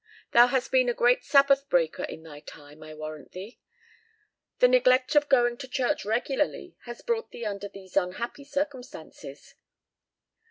Thou hast been a great sabbath breaker in thy time I warrant thee? The neglect of going to church regularly has brought thee under these unhappy circumstances."